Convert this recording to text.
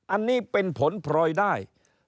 อันนี้เป็นผลพลอยได้